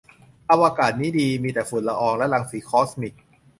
อวกาศนี้ดี มีแต่ฝุ่นละออง และรังสีคอสมิก